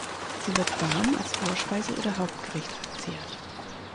Sie wird warm als Vorspeise oder Hauptgericht verzehrt.